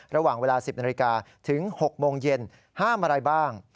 ระหว่างเวลา๑๐นาฬิกาถึง๖โมงเย็นห้ามอะไรบ้าง